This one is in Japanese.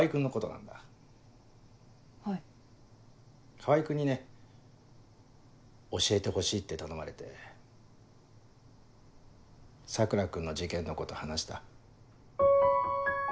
川合君にね教えてほしいって頼まれて桜君の事件のこと話した。